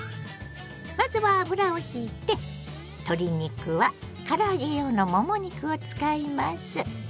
まずは油をひいて鶏肉はから揚げ用のもも肉を使います。